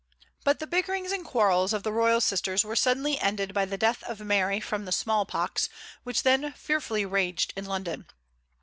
But the bickerings and quarrels of the royal sisters were suddenly ended by the death of Mary from the small pox, which then fearfully raged in London.